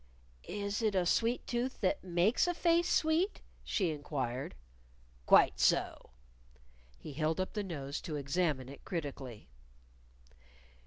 "Is it a sweet tooth that makes a face sweet?" she inquired. "Quite so." He held up the nose to examine it critically.